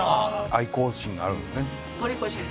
愛校心があるんですね。